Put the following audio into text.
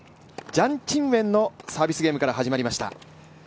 ジャン・チンウェンのサービスゲームから始まりました。